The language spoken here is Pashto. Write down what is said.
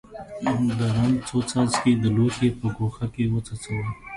د رنګ څو څاڅکي د لوښي په ګوښه کې وڅڅوئ.